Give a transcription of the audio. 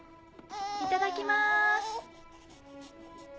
いただきます。